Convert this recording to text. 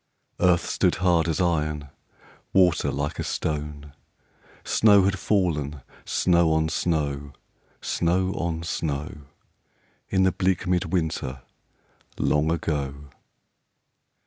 Earth stood hard as iron,. Water like a stone; Snow had fallen, snow on snow. Snow on snow, In the bleak mid winter Long ago.